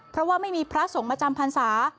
เพราะว่าไม่มีพระสงฆ์มาจำพรรษา